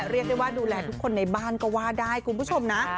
เรียกได้ว่าดูแลทุกคนในบ้านก็ว่าได้คุณผู้ชมนะ